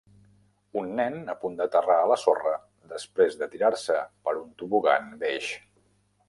Un nen a punt d'aterrar a la sorra després de tirar-se per un tobogan beix